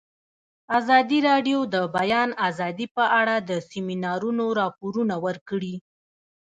ازادي راډیو د د بیان آزادي په اړه د سیمینارونو راپورونه ورکړي.